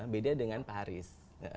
beda dengan paris